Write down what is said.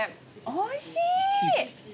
おいしい！